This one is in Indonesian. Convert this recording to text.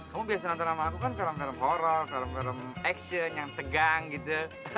kamu biasanya antara sama aku kan film film horror film film action yang tegang gitu